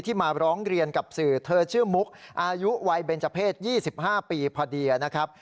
มาร้องเรียนกับสื่อเธอชื่อมุกอายุวัยเบนเจอร์เพศ๒๕ปีพอดีนะครับ